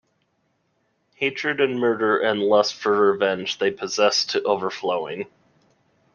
Hatred and murder and lust for revenge they possessed to overflowing.